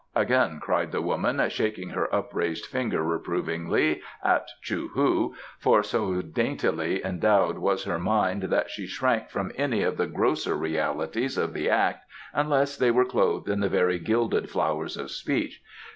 again cried the woman, shaking her upraised finger reprovingly at Chou hu (for so daintily endowed was her mind that she shrank from any of the grosser realities of the act unless they were clothed in the very gilded flowers of speech).